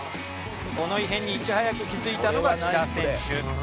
この異変にいち早く気づいたのが喜田選手。